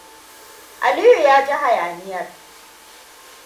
Aliyu ya ji hayaniyar.